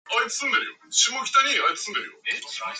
This is what may be referred to as the second dialect in the country.